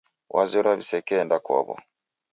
Wazerwa w'isekeenda kwaw'o.